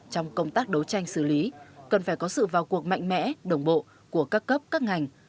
trong công tác đấu tranh xử lý cần phải có sự vào cuộc mạnh mẽ đồng bộ của các cấp các ngành